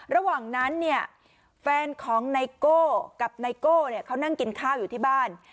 ระหว่างนั้นเนี่ยแฟนของไนโก้กับไนโก้เขานั่งกินข้าวอยู่ที่บ้าน